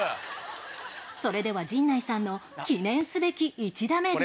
それでは陣内さんの記念すべき１打目です。